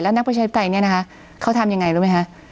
นักประชาธิปไตยเนี่ยนะคะเขาทำยังไงรู้ไหมคะ